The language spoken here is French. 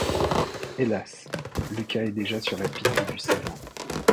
Hélas, Lucas est déjà sur la piste du savant.